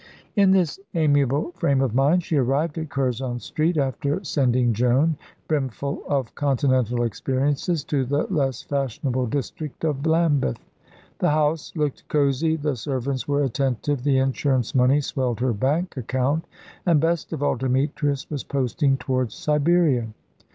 In this amiable frame of mind she arrived at Curzon Street, after sending Joan, brimful of Continental experiences, to the less fashionable district of Lambeth. The house looked cosy, the servants were attentive, the insurance money swelled her bank account, and, best of all, Demetrius was posting towards Siberia.